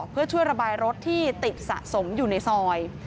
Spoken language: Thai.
เพื่อช่วยระบายรถที่ติดสะสมอยู่ในซอย